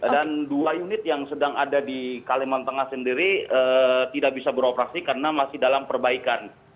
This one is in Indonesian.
dan dua unit yang sedang ada di kalimantan tengah sendiri tidak bisa beroperasi karena masih dalam perbaikan